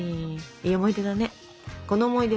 いい思い出だね。